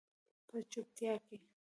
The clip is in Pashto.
په چوپتیا کې